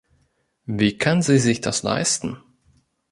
Wie kann sie sich das leisten?